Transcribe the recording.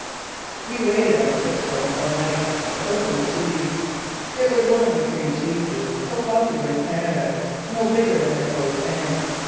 We waited on tiptoe until night, to open the cheese. It was one of the cream cheeses, so popular in Canada, no bigger than my closed hand.